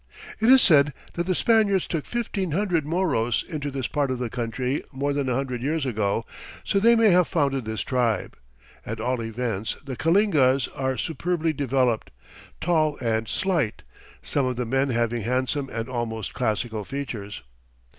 It is said that the Spaniards took fifteen hundred Moros into this part of the country more than a hundred years ago, so they may have founded this tribe. At all events, the Kalingas are superbly developed, tall and slight, some of the men having handsome and almost classical features.